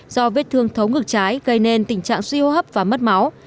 do vết thương thấu ngược trái gây nên tình trạng suy hô hấp và mất máu